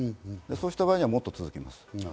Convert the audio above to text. そうした場合、もっと続きます。